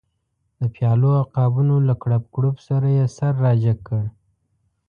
د پیالو او قابونو له کړپ کړوپ سره یې سر را جګ کړ.